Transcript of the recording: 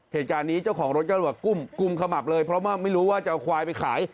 เหตุการณ์นี้เจ้าของรถก็เลยกุมขมับเลยเพราะว่าไม่รู้ว่าจะเอาควายไปขาย